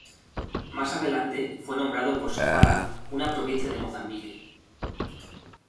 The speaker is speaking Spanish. Más adelante fue nombrado por Sofala, una provincia de Mozambique.